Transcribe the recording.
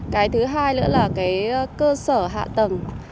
cái thứ hai nữa là cái cơ sở hạ tầng